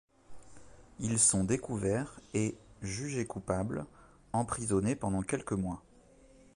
Ils sont découverts et, jugés coupables, emprisonnés pendant quelques mois.